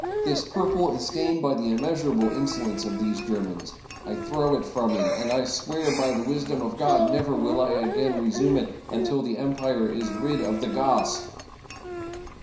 This purple is stained by the immeasurable insolence of these Germans. I throw it from me, and I swear by the wisdom of God, never will I again resume it until the empire is rid of the Goths!"